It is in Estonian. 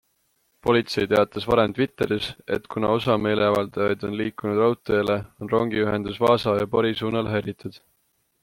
Politsei teatas varem Twitteris, et kuna osa meeleavaldajaid on liikunud raudteele, on rongiühendus Vaasa ja Pori suunal häiritud.